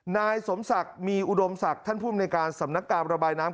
นายสมศักดิ์มีอุดมศักดิ์ท่านภูมิในการสำนักการระบายน้ำ